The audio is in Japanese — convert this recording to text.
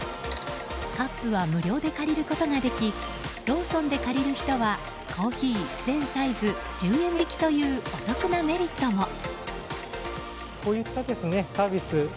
カップは無料で借りることができローソンで借りる人はコーヒー全サイズ１０円引きというお得なメリットも。